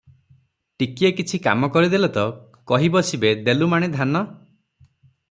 ଟିକିଏ କିଛି କାମ କରିଦେଲେ ତ, କହି ବସିବେ ଦେଲୁ ମାଣେ ଧାନ ।